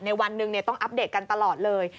วันหนึ่งต้องอัปเดตกันตลอดเลย